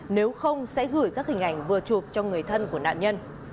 nếu không sẽ gửi các hình ảnh vừa chụp cho người thân của nó